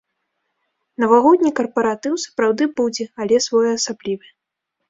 Навагодні карпаратыў сапраўды будзе, але своеасаблівы.